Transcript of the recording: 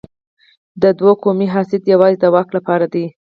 د دوی قومي حسد یوازې د واک لپاره دی.